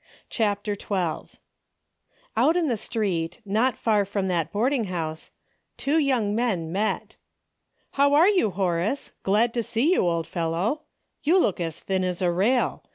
CHAPTEE XIL Out in the street, not far from that board ing house, two young men met. "How are you, Horace ? Glad to see you, old fellow ! You look as thin as a rail.